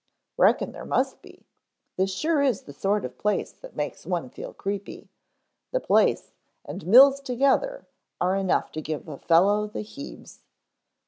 "Reckon there must be. This sure is the sort of place that makes one feel creepy; the place and Mills together are enough to give a fellow the heaves.